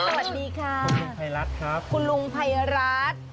สวัสดีค่ะคุณลุงไพรัสครับคุณลุงไพรัส